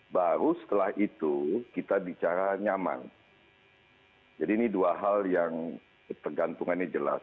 baru setelah itu kita bicara nyaman jadi ini dua hal yang ketergantungannya jelas